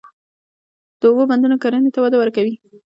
د اوبو بندونه کرنې ته وده ورکوي.